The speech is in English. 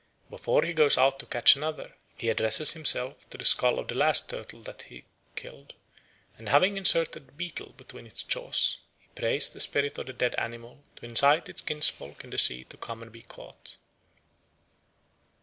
Before he goes out to catch another, he addresses himself to the skull of the last turtle that he killed, and having inserted betel between its jaws, he prays the spirit of the dead animal to entice its kinsfolk in the sea to come and be caught.